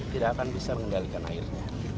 tidak akan bisa mengendalikan airnya